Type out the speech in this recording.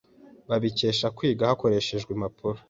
babikesha kwiga hakoreshejwe impapuro